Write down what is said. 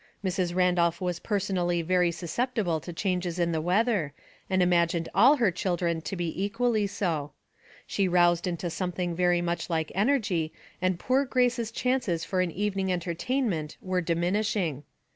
Mrs. Randolph was personally very susceptible to changes in the weather, and imagined all her children to be equally so. She roused into some thing very like energy and poor Grace's chances for an evening entertainment were diminishing.